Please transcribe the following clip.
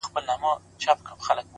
وخت د ارمانونو رښتینولي ازموي.!